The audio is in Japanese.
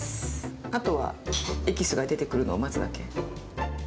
あとはエキスが出てくるのを待つだけ。